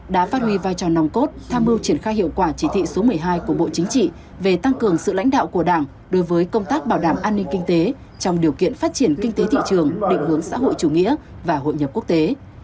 đã phát huy vai trò nòng cốt tham mưu triển khai hiệu quả chỉ thị số một mươi hai của bộ chính trị về tăng cường sự lãnh đạo của đảng đối với công tác bảo đảm an ninh kinh tế trong điều kiện phát triển kinh tế thị trường định hướng xã hội chủ nghĩa và hội nhập quốc tế